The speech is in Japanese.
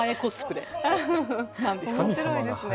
面白いですね。